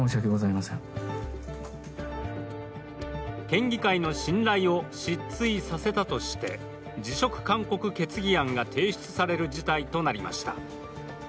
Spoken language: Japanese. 県議会の信頼を失墜させたとして、辞職勧告決議案が提出される事態となりました。